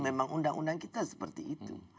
memang undang undang kita seperti itu